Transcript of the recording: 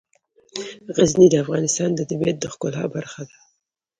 غزني د افغانستان د طبیعت د ښکلا برخه ده.